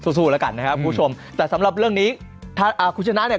สู้สู้แล้วกันนะครับคุณผู้ชมแต่สำหรับเรื่องนี้ถ้าอ่าคุณชนะเนี่ย